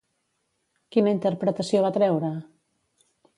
Quina interpretació va treure?